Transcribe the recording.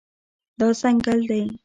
دا ځنګل دی